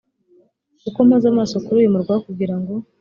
kuko mpoza amaso kuri uyu murwa kugira ngo